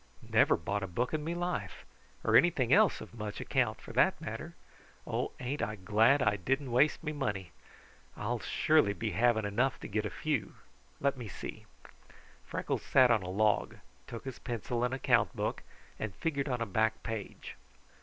Never bought a book in me life, or anything else of much account, for that matter. Oh, ain't I glad I didn't waste me money! I'll surely be having enough to get a few. Let me see." Freckles sat on a log, took his pencil and account book, and figured on a back page.